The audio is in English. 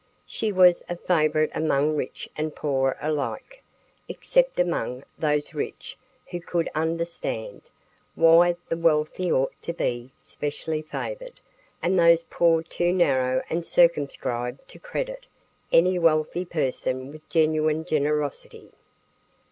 She was a favorite among rich and poor alike, except among those rich who could "understand" why the wealthy ought to be specially favored, and those poor too narrow and circumscribed to credit any wealthy person with genuine generosity.